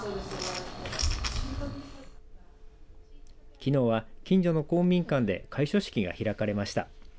きのうは近所の公民館で開所式が開かれました。